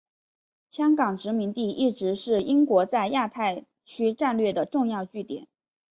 香港殖民地一直是英国在亚太区战略的重要据点。